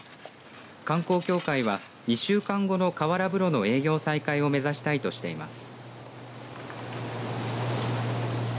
観光協会は２週間後の河原風呂の営業再開を目指したいとしています。